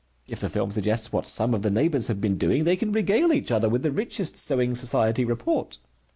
If the film suggests what some of the neighbors have been doing, they can regale each other with the richest sewing society report.